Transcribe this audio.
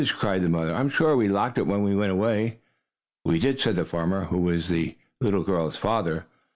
cried her mother. "I'm sure we locked it when we went away." "We did," said the farmer, who was the little girl's father.